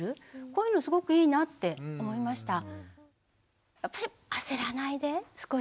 こういうのすごくいいなって思いました。